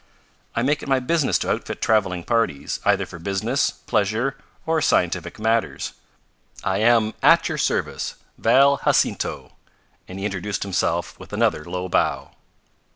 "I make it my business to outfit traveling parties, either for business, pleasure or scientific matters. I am, at your service, Val Jacinto," and he introduced himself with another low bow.